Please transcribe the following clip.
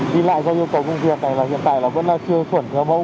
đi lại do yêu cầu công ty này là hiện tại vẫn chưa thuận nhớ mẫu